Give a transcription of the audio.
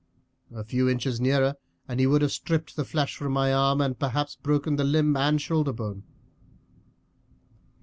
A few inches nearer and he would have stripped the flesh from my arm, and perhaps broken the limb and shoulder bone."